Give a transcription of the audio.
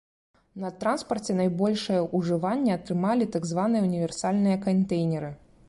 На транспарце найбольшае ўжыванне атрымалі так званыя універсальныя кантэйнеры.